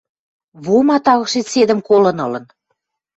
Вома тагышец седӹм колын ылын.